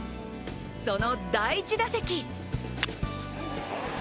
その第１打席。